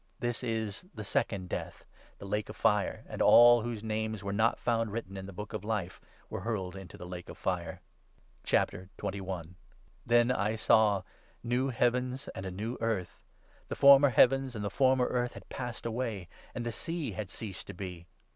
This is the Second Death — the lake of fire; and all whose names 'were not found written in the 15 Book of Life ' were hurled into the lake of fire. VII. — THE NEW CREATION. Then I saw new heavens and a new earth. The former i heavens and the former earth had passed away ; and the sea has ceased to be.